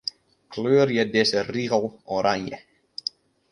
Kleurje dizze rigel oranje.